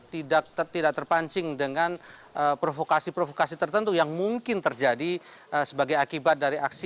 tidak terpancing dengan provokasi provokasi tertentu yang mungkin terjadi sebagai akibat dari aksi